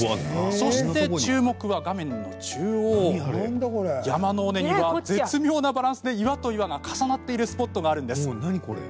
そして、山の尾根には絶妙なバランスで岩と岩が重なっているスポットがあるんです。